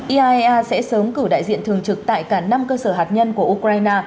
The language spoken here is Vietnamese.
iaea sẽ sớm cử đại diện thường trực tại cả năm cơ sở hạt nhân của ukraine